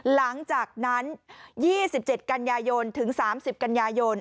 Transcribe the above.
หลังจากนั้น๒๗กันยายนถึง๓๐กันยายน